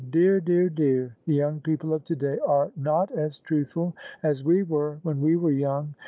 Dear, dear, dear! The young people of to day are not as truthful as we were when we were young.